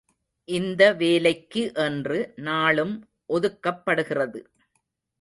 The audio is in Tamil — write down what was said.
இந்த வேலைக்கு என்று நாளும் ஒதுக்கப்படுகிறது!